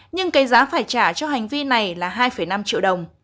nhưng cái giá phải trả cho hành vi này là hai năm triệu đồng